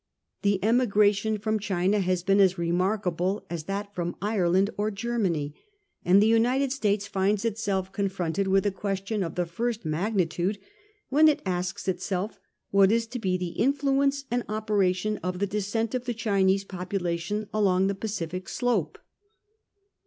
The emigration from China has been as remarkable as that from Ireland or Germany ; and the United States finds itself confronted with a ques tion of the first magnitude when it asks itself what is to be the influence and operation of the descent of the Chinese populations along the Pacific slope.